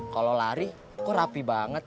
kalau lari kok rapi banget